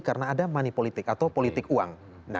karena ada money politik atau politik uang